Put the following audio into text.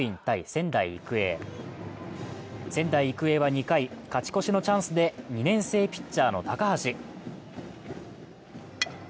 仙台育英は２回、勝ち越しのチャンスで２年生ピッチャーの高橋。